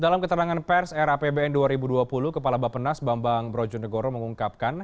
dalam keterangan pers rapbn dua ribu dua puluh kepala bapenas bambang brojonegoro mengungkapkan